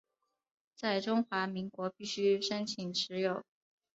在中华民国必须申请持有。